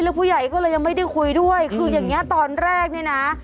ผู้ใหญ่ก็เลยยังไม่ได้คุยด้วยคืออย่างนี้ตอนแรกเนี่ยนะ